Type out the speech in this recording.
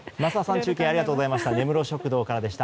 中継ありがとうございました。